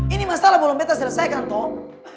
ini masalah belum bisa diselesaikan tom